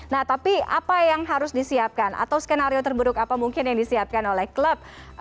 nah tapi apa yang harus disiapkan atau skenario terburuk apa mungkin yang disiapkan oleh klub